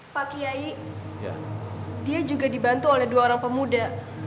pak kiai dia juga dibantu oleh dua orang pemuda